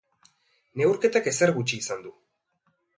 Neurketak ezer gutxi izan du.